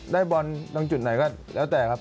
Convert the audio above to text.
ได้บอลตรงจุดไหนก็แล้วแต่ครับ